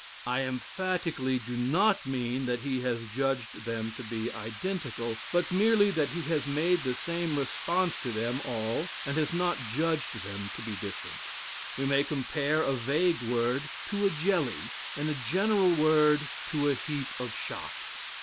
I emphatically do not mean that he has judged them to be identical, but merely that he has made the same response to them all and has not judged them to be different. We may compare a vague word to a jelly and a general word to a heap of shot.